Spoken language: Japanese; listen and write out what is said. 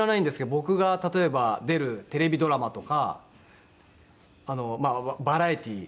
僕が例えば出るテレビドラマとかまあバラエティー